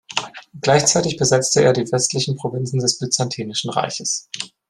Gleichzeitig besetzte er die westlichen Provinzen des Byzantinischen Reiches.